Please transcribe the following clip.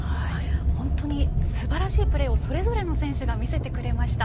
本当にすばらしいプレーをそれぞれの選手が見せてくれました。